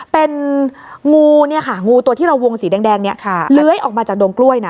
เป็นงูเนี่ยค่ะงูตัวที่เราวงสีแดงเนี่ยเลื้อยออกมาจากดงกล้วยนะ